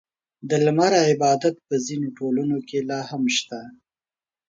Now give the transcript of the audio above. • د لمر عبادت په ځینو ټولنو کې لا هم شته.